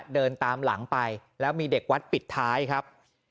เดินตามหลังไปแล้วมีเด็กวัดปิดท้ายครับ